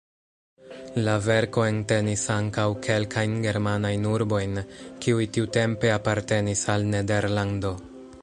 La verko entenis ankaŭ kelkajn germanajn urbojn, kiuj tiutempe apartenis al Nederlando.